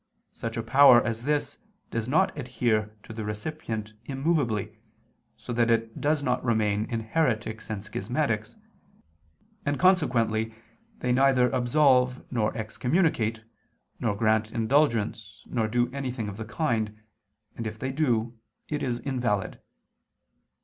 Such a power as this does not adhere to the recipient immovably: so that it does not remain in heretics and schismatics; and consequently they neither absolve nor excommunicate, nor grant indulgence, nor do anything of the kind, and if they do, it is invalid.